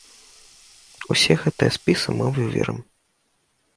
Усе гэтыя спісы мы выверым.